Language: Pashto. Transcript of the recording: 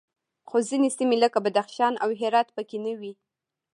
خو ځینې سیمې لکه بدخشان او هرات پکې نه وې